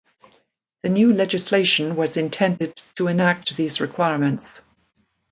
Th new legislation was intended to enact these requirements.